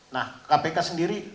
nah kpk sendiri